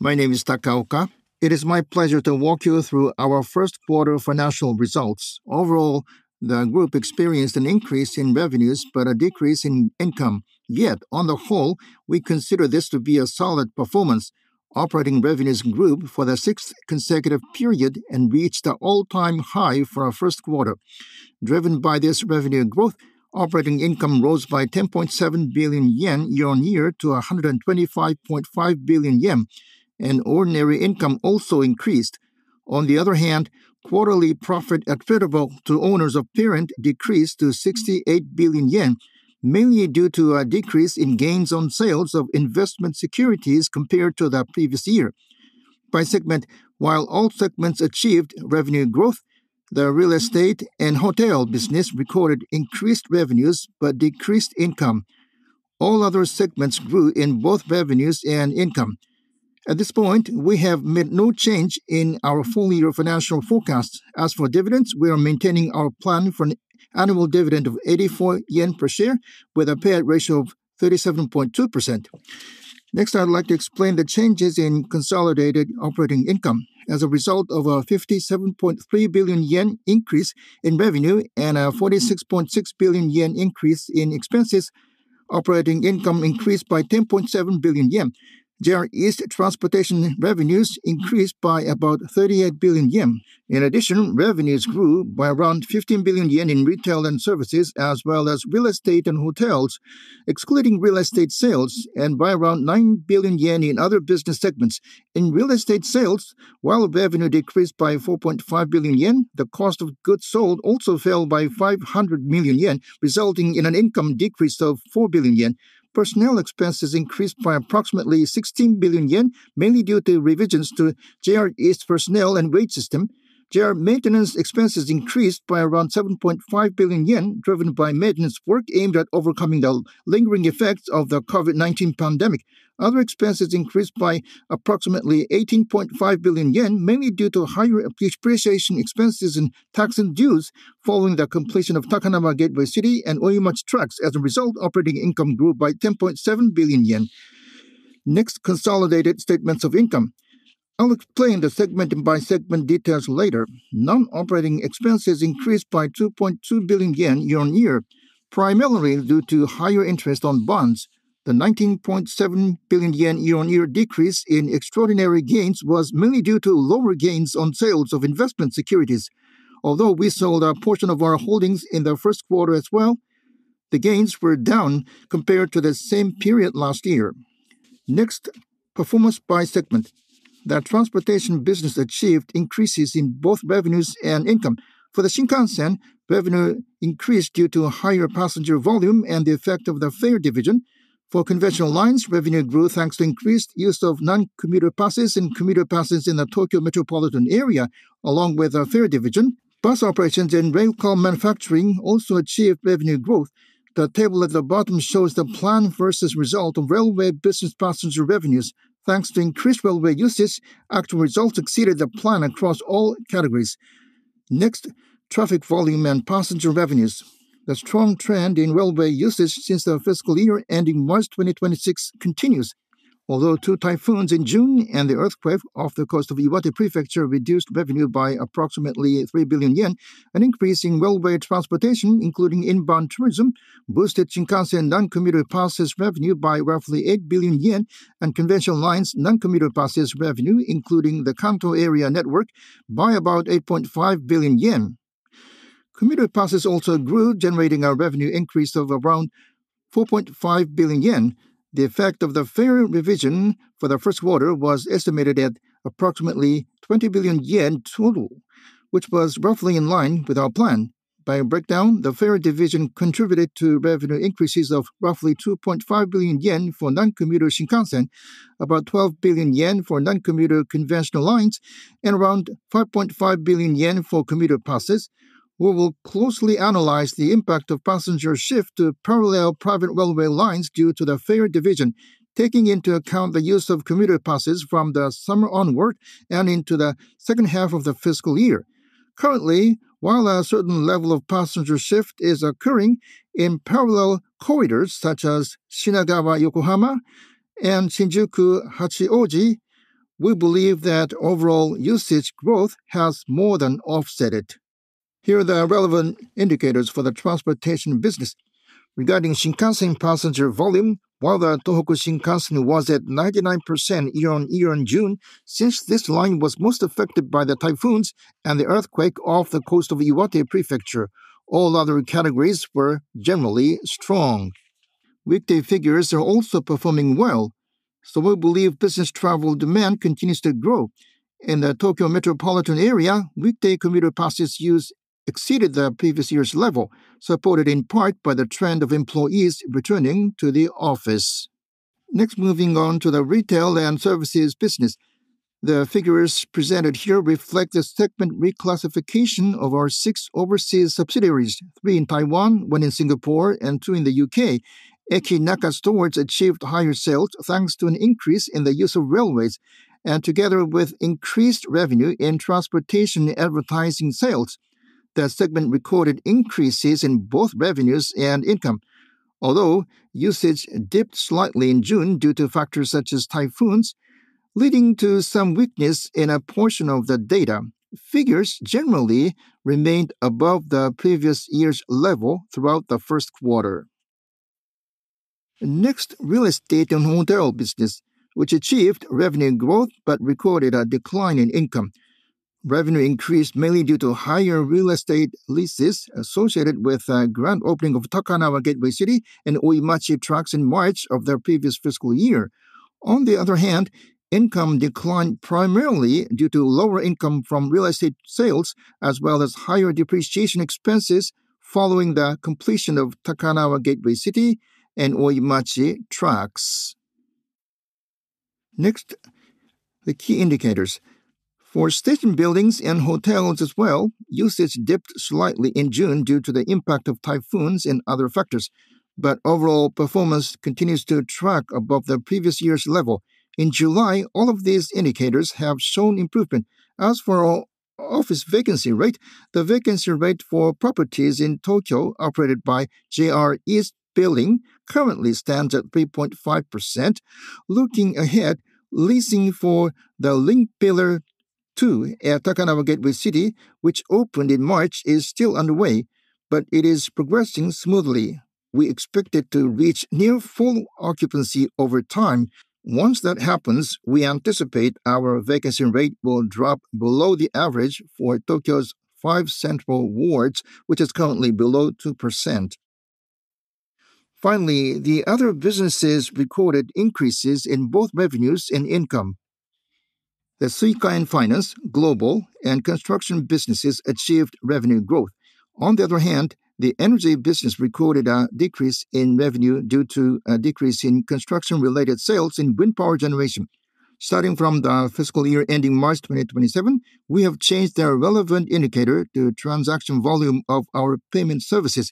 My name is Takaoka. It is my pleasure to walk you through our first quarter financial results. Overall, the group experienced an increase in revenues, but a decrease in income. Yet, on the whole, we consider this to be a solid performance. Operating revenues grew for the sixth consecutive period and reached an all-time high for our first quarter. Driven by this revenue growth, operating income rose by 10.7 billion yen year-on-year to 125.5 billion yen, and ordinary income also increased. On the other hand, quarterly profit attributable to owners of parent decreased to 68 billion yen, mainly due to a decrease in gains on sales of investment securities compared to the previous year. By segment, while all segments achieved revenue growth, the real estate and hotel business recorded increased revenues but decreased income. All other segments grew in both revenues and income. At this point, we have made no change in our full-year financial forecast. As for dividends, we are maintaining our plan for an annual dividend of 84 yen per share with a payout ratio of 37.2%. Next, I'd like to explain the changes in consolidated operating income. As a result of a 57.3 billion yen increase in revenue and a 46.6 billion yen increase in expenses, operating income increased by 10.7 billion yen. JR East transportation revenues increased by about 38 billion yen. In addition, revenues grew by around 15 billion yen in retail and services, as well as real estate and hotels, excluding real estate sales, and by around 9 billion yen in other business segments. In real estate sales, while revenue decreased by 4.5 billion yen, the cost of goods sold also fell by 500 million yen, resulting in an income decrease of 4 billion yen. Personnel expenses increased by approximately 16 billion yen, mainly due to revisions to JR East personnel and wage system. JR maintenance expenses increased by around 7.5 billion yen, driven by maintenance work aimed at overcoming the lingering effects of the COVID-19 pandemic. Other expenses increased by approximately 18.5 billion yen, mainly due to higher depreciation expenses and taxes and dues following the completion of Takanawa Gateway City and OIMACHI TRACKS. As a result, operating income grew by 10.7 billion yen. Next, consolidated statements of income. I'll explain the segment by segment details later. Non-operating expenses increased by 2.2 billion yen year-on-year, primarily due to higher interest on bonds. The 19.7 billion yen year-on-year decrease in extraordinary gains was mainly due to lower gains on sales of investment securities. Although we sold a portion of our holdings in the first quarter as well, the gains were down compared to the same period last year. Next, performance by segment. The transportation business achieved increases in both revenues and income. For the Shinkansen, revenue increased due to higher passenger volume and the effect of the fare revision. For conventional lines, revenue grew thanks to increased use of non-commuter passes and commuter passes in the Tokyo metropolitan area, along with our fare revision. Bus operations and rail car manufacturing also achieved revenue growth. The table at the bottom shows the plan versus result of railway business passenger revenues. Thanks to increased railway usage, actual results exceeded the plan across all categories. Next, traffic volume and passenger revenues. The strong trend in railway usage since the fiscal year ending March 2026 continues. Although two typhoons in June and the earthquake off the coast of Iwate Prefecture reduced revenue by approximately 3 billion yen, an increase in railway transportation, including inbound tourism, boosted Shinkansen non-commuter passes revenue by roughly 8 billion yen and conventional lines non-commuter passes revenue, including the Kanto area network by about 8.5 billion yen. Commuter passes also grew, generating a revenue increase of around 4.5 billion yen. The effect of the fare revision for the first quarter was estimated at approximately 20 billion yen total, which was roughly in line with our plan. By breakdown, the fare revision contributed to revenue increases of roughly 2.5 billion yen for non-commuter Shinkansen, about 12 billion yen for non-commuter conventional lines, and around 5.5 billion yen for commuter passes. We will closely analyze the impact of passenger shift to parallel private railway lines due to the fare revision, taking into account the use of commuter passes from the summer onward and into the second half of the fiscal year. Currently, while a certain level of passenger shift is occurring in parallel corridors such as Shinagawa, Yokohama, and Shinjuku, Hachioji, we believe that overall usage growth has more than offset it. Here are the relevant indicators for the transportation business. Regarding Shinkansen passenger volume, while the Tohoku Shinkansen was at 99% year-on-year in June, since this line was most affected by the typhoons and the earthquake off the coast of Iwate Prefecture, all other categories were generally strong. Weekday figures are also performing well, so we believe business travel demand continues to grow. In the Tokyo metropolitan area, weekday commuter passes use exceeded the previous year's level, supported in part by the trend of employees returning to the office. Moving on to the retail and services business. The figures presented here reflect the segment reclassification of our six overseas subsidiaries, three in Taiwan, one in Singapore, and two in the U.K. Ekinaka stores achieved higher sales thanks to an increase in the use of railways and together with increased revenue in transportation advertising sales. The segment recorded increases in both revenues and income. Although usage dipped slightly in June due to factors such as typhoons, leading to some weakness in a portion of the data, figures generally remained above the previous year's level throughout the first quarter. Real estate and hotel business, which achieved revenue growth but recorded a decline in income. Revenue increased mainly due to higher real estate leases associated with the grand opening of Takanawa Gateway City and OIMACHI TRACKS in March of the previous fiscal year. On the other hand, income declined primarily due to lower income from real estate sales, as well as higher depreciation expenses following the completion of Takanawa Gateway City and OIMACHI TRACKS. The key indicators. For station buildings and hotels as well, usage dipped slightly in June due to the impact of typhoons and other factors, but overall performance continues to track above the previous year's level. In July, all of these indicators have shown improvement. As for our office vacancy rate, the vacancy rate for properties in Tokyo operated by JR East Building currently stands at 3.5%. Looking ahead, leasing for the LINKPILLAR 2 at Takanawa Gateway City, which opened in March, is still underway, but it is progressing smoothly. We expect it to reach near full occupancy over time. Once that happens, we anticipate our vacancy rate will drop below the average for Tokyo's five central wards, which is currently below 2%. Finally, the other businesses recorded increases in both revenues and income. The Suica & Finance, Global, and Construction businesses achieved revenue growth. On the other hand, the Energy business recorded a decrease in revenue due to a decrease in construction-related sales in wind power generation. Starting from the fiscal year ending March 2027, we have changed our relevant indicator to transaction volume of our payment services.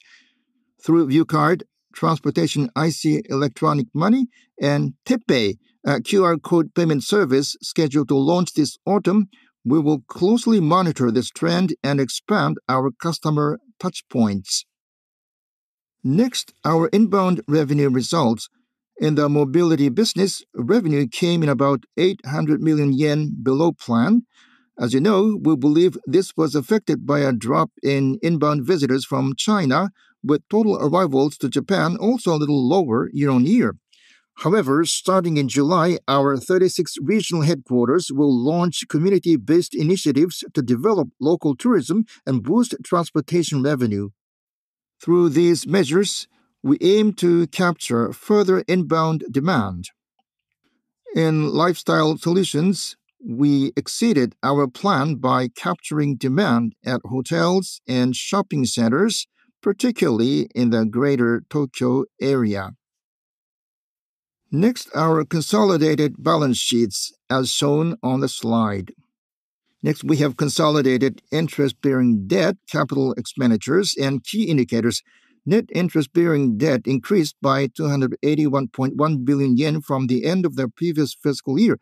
Through View Card, Transportation IC electronic money, and TePay, a QR code payment service scheduled to launch this autumn, we will closely monitor this trend and expand our customer touchpoints. Next, our inbound revenue results. In the Mobility business, revenue came in about 800 million yen below plan. As you know, we believe this was affected by a drop in inbound visitors from China, with total arrivals to Japan also a little lower year-on-year. However, starting in July, our 36 regional headquarters will launch community-based initiatives to develop local tourism and boost transportation revenue. Through these measures, we aim to capture further inbound demand. In Lifestyle Solutions, we exceeded our plan by capturing demand at hotels and shopping centers, particularly in the Greater Tokyo area. Next, our consolidated balance sheets, as shown on the slide. Next, we have consolidated interest-bearing debt, capital expenditures, and key indicators. Net interest-bearing debt increased by 281.1 billion yen from the end of the previous fiscal year.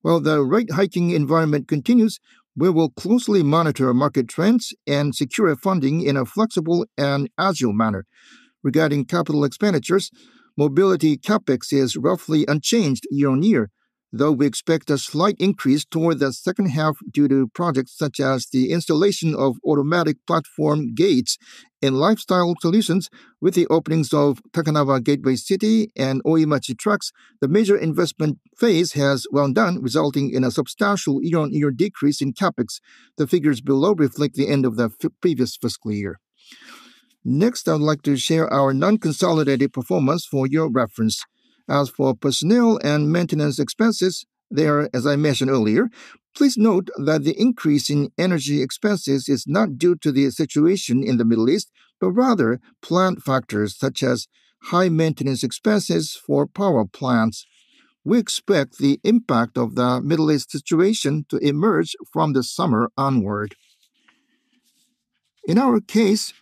While the rate hiking environment continues, we will closely monitor market trends and secure funding in a flexible and agile manner. Regarding capital expenditures, Mobility CapEx is roughly unchanged year-on-year, though we expect a slight increase toward the second half due to projects such as the installation of automatic platform gates. In Lifestyle Solutions, with the openings of Takanawa Gateway City and Oimachi Tracks, the major investment phase has well done, resulting in a substantial year-on-year decrease in CapEx. The figures below reflect the end of the previous fiscal year. Next, I would like to share our non-consolidated performance for your reference. As for personnel and maintenance expenses, they are as I mentioned earlier. Please note that the increase in energy expenses is not due to the situation in the Middle East, but rather plant factors such as high maintenance expenses for power plants. We expect the impact of the Middle East situation to emerge from this summer onward. In our case,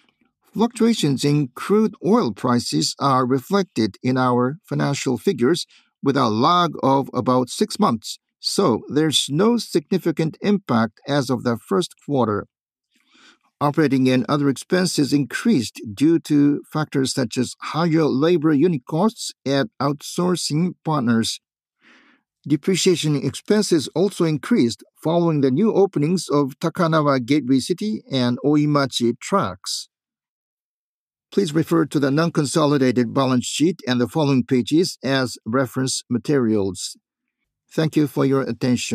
fluctuations in crude oil prices are reflected in our financial figures with a lag of about six months, so there's no significant impact as of the first quarter. Operating and other expenses increased due to factors such as higher labor unit costs at outsourcing partners. Depreciation expenses also increased following the new openings of Takanawa Gateway City and Oimachi Tracks. Please refer to the non-consolidated balance sheet and the following pages as reference materials. Thank you for your attention.